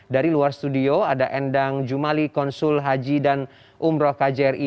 dari luar studio ada endang jumali konsul haji dan umroh kjri